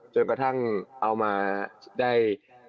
จนกระทั่งเอามาได้